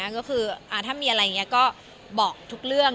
ก็คือถ้ามีอะไรก็บอกทุกเรื่อง